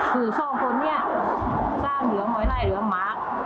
คือซ่องคนเนี่ยสร้างเหลือง้อยไล่เหลือง้า